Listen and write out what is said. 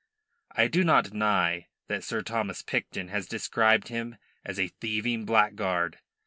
I do not deny that Sir Thomas Picton has described him as a "thieving blackguard."